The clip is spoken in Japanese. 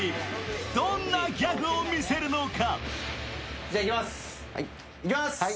どんなギャグを見せるのか？